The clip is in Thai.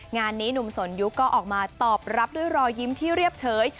งานนี้หนุ่มสนยุคก็ออกมาตอบรับด้วยรอยยิ้มที่เรียบเฉย